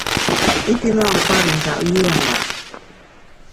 I pi mâ nkwer i njap yùe ngap.